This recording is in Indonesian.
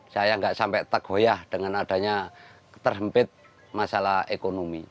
saya tidak sampai tergoyah dengan adanya terhempit masalah ekonomi